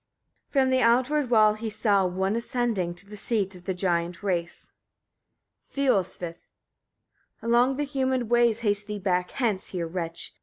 1. From the outward wall he saw one ascending to the seat of the giant race. Fiolsvith. Along the humid ways haste thee back hence, here, wretch!